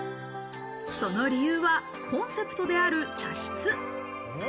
その理由はコンセプトである茶室。